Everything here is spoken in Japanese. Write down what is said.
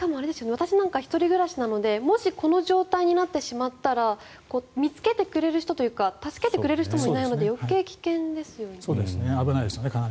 私なんか１人暮らしなのでもしこういう状態になってしまったら見つけてくれる人というか助けてくれる人もいないのでかなり危ないですよね。